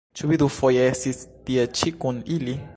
Ĉu vi dufoje estis tie-ĉi kun ili?